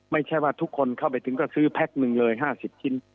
ไม่ใช่ว่าทุกคนเข้าไปถึงก็ซื้อแพ็คหนึ่งเลย๕๐ชิ้น